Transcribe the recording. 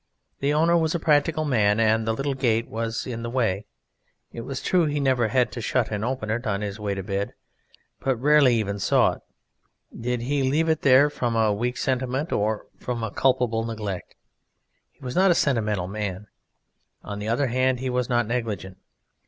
The Owner was a practical man, and the little gate was in the way; it was true he never had to shut and open it on his way to bed, and but rarely even saw it. Did he leave it there from a weak sentiment or from a culpable neglect? He was not a sentimental man; on the other hand, he was not negligent.